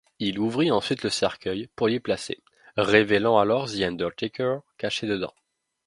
Il ouvrit ensuite le cercueil pour l'y placer, révélant alors The Undertaker, caché dedans.